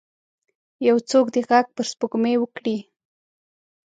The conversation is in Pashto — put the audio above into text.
یو څوک دې ږغ پر سپوږمۍ وکړئ